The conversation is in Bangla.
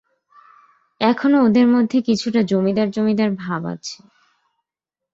এখনো ওদের মধ্যে কিছুটা জমিদার-জমিদার ভাব আছে।